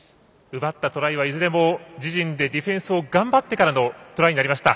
奪ったトライはいずれも自陣でディフェンスを頑張ってからのトライになりました。